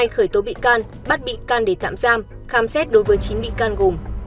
khởi tố bị can bắt bị can để tạm giam khám xét đối với chín bị can gồm